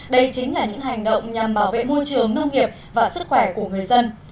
đây chính là những hành động nhằm bảo vệ môi trường nông nghiệp và sức khỏe của người dân